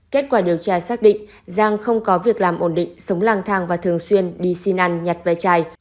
kết quả điều tra xác định giang không có việc làm ổn định sống lang thang và thường xuyên đi xin ăn nhặt ve chai